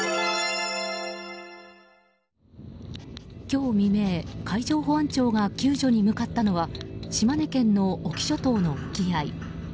今日未明、海上保安庁が救助に向かったのは島根県の隠岐諸島の沖合。